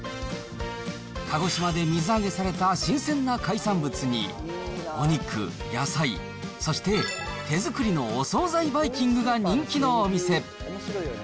鹿児島で水揚げされた新鮮な海産物に、お肉、野菜、そして手作りのお総菜バイキングが人気のお店。